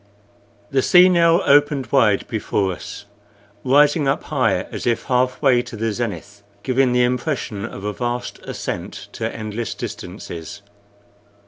The sea now opened wide before us, rising up high as if half way to the zenith, giving the impression of a vast ascent to endless distances.